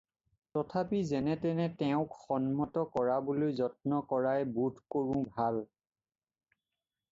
তথাপি যেনে-তেনে তেওঁক সন্মত কৰাবলৈ যত্ন কৰাই বোধ কৰোঁ ভাল।